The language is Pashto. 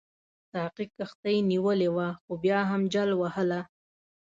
ساقي کښتۍ نیولې وه خو بیا هم جل وهله.